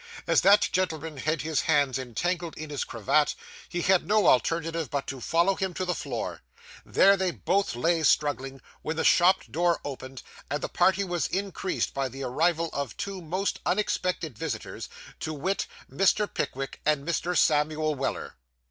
As that gentleman had his hands entangled in his cravat, he had no alternative but to follow him to the floor. There they both lay struggling, when the shop door opened, and the party was increased by the arrival of two most unexpected visitors, to wit, Mr. Pickwick and Mr. Samuel Weller.